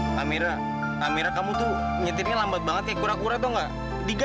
sampai jumpa di video selanjutnya